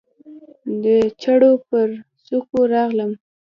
د چړو پر څوکو راغلم